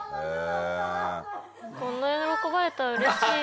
こんな喜ばれたら嬉しい。